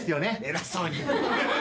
偉そうに。